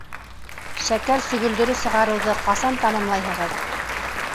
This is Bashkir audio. Шәкәр сөгөлдөрө сығарыуҙы ҡасан тамамлайһығыҙ?